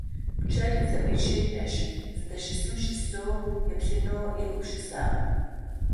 Пчъэр зэӏуищэинышъ зыдэщысым щысэу иплъэнэу егупшысагъ.